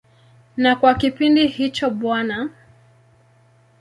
Na kwa kipindi hicho Bw.